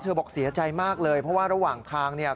บอกเสียใจมากเลยเพราะว่าระหว่างทางเนี่ย